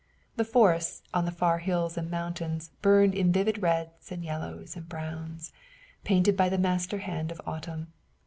The forests on the far hills and mountains burned in vivid reds and yellows and browns, painted by the master hand of autumn.